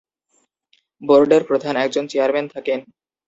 বোর্ডের প্রধান একজন চেয়ারম্যান থাকেন।